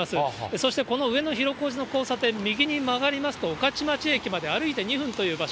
そしてこの上野広小路の交差点、右に曲がりますと御徒町駅まで歩いて２分という場所。